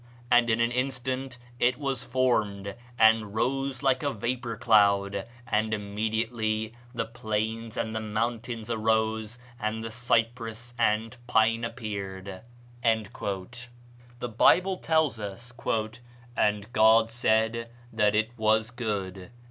and in an instant it was formed, and rose like a vapor cloud; immediately the plains and the mountains arose, and the cypress and pine appeared." The Bible tells us, "And God saw that it was good."